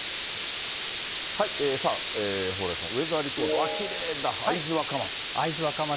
さあ、蓬莱さん、ウエザーリポート、きれいだ、会津若松。